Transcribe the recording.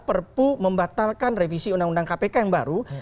perpu membatalkan revisi undang undang kpk yang baru